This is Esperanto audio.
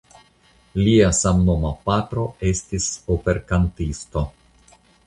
Lia samnoma patro same estis operkantisto.